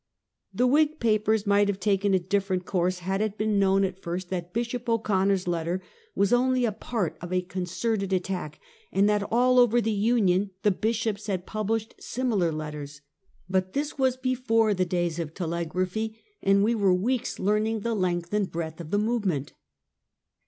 The Whig papers might have taken a different course, had it been known at first that Bishop O'Con ner's letter was only a part of a concerted attack, and that all over the Union the Bishops had published similar letters. But this was before the days of tele graphy, and we were weeks learning the length and breadth of the movement.